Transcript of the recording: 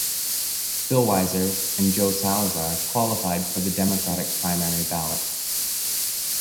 Phil Weiser and Joe Salazar qualified for the Democratic primary ballot.